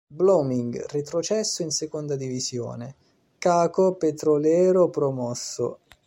Blooming retrocesso in seconda divisione, Chaco Petrolero promosso.